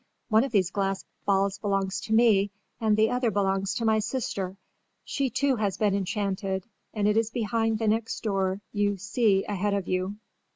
"One of these glass balls belongs to me and the other belongs to my sister. She, too, has been enchanted and is behind the next door you see ahead of you."